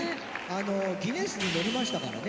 ギネスに載りましたからね。